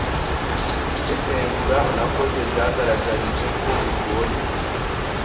Isesengura nakoze ryangaragarije ko bigoye